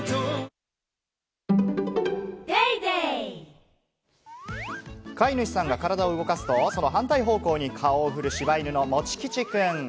ペイトク飼い主さんが体を動かすと、その反対方向に顔を振る柴犬のもち吉くん。